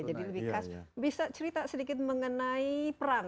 jadi lebih khas bisa cerita sedikit mengenai perang